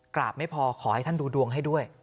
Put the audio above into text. ไม่พอขอให้ท่านดูดวงให้ด้วย